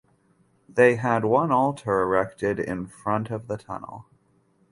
They had one altar erected in front of the tunnel.